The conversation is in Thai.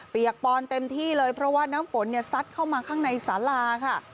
ปอนเต็มที่เลยเพราะว่าน้ำฝนเนี่ยซัดเข้ามาข้างในสาราค่ะ